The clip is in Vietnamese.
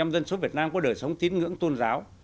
dân số việt nam có đời sống tiến ngưỡng tôn giáo